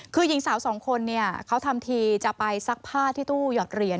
คือหญิงสาวสองคนเนี่ยเขาทำทีจะไปซักผ้าที่ตู้หยอดเหรียญ